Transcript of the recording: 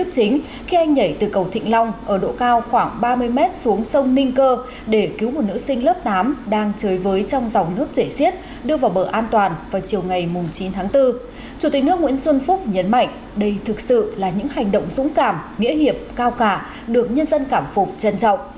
chủ tịch nước nguyễn xuân phúc nhấn mạnh đây thực sự là những hành động dũng cảm nghĩa hiệp cao cả được nhân dân cảm phục trân trọng